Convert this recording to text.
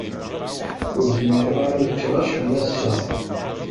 Ur zmireɣ ara ad ččeɣ acemma ass-a.